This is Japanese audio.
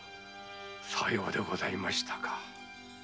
さようでございましたか。